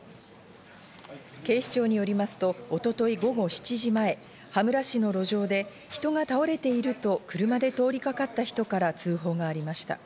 警視庁によりますと、一昨日午後７時前、羽村市の路上で人が倒れていると、車で通りかかった人から通報がありました。